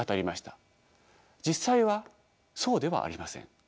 実際はそうではありません。